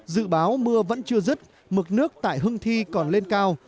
dự báo mưa vẫn chưa dứt mực nước tại hưng thi còn lên cao